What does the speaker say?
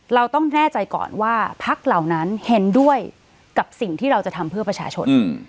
เราต้องแน่ใจก่อนว่าพักเหล่านั้นเห็นด้วยกับสิ่งที่เราจะทำเพื่อประชาชน